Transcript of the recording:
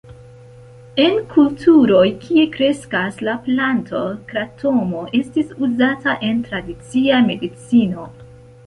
En kulturoj, kie kreskas la planto, kratomo estis uzata en tradicia medicino.